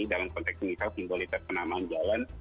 dalam konteks misal simbolitas penamaan jalan